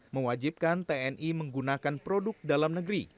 mewajibkan tni menggunakan produk dalam negeri